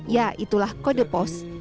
ya itulah kode pos